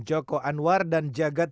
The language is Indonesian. joko anwar dan jagat